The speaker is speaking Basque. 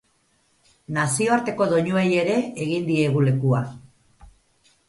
Nazioarteko doinuei ere egin diegu lekua.